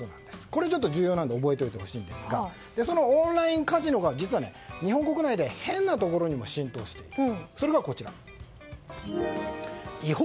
これは重要なので覚えておいてほしいんですがそのオンラインカジノが実は、日本国内で変なところにも浸透している。